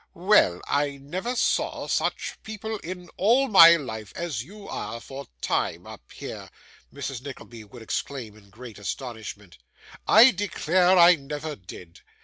'Well, I never saw such people in all my life as you are, for time, up here!' Mrs. Nickleby would exclaim in great astonishment; 'I declare I never did!